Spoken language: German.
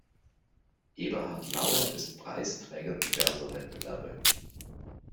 Eberhard Lauer ist Preisträger diverser Wettbewerbe.